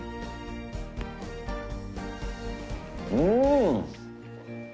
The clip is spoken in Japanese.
うん！